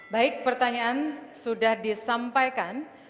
baik pertanyaan sudah disampaikan